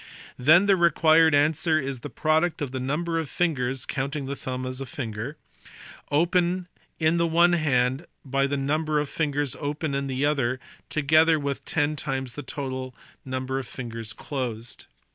Then the required answer is the product of the number of fingers (counting the thumb as a finger) open in the one hand by the number of fingers open in the other together with ten times the total number of fingers closed.